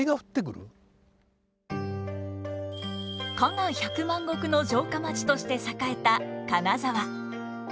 加賀百万石の城下町として栄えた金沢。